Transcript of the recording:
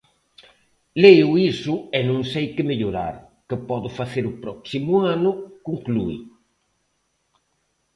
Leo iso e non sei que mellorar, que podo facer o próximo ano, conclúe.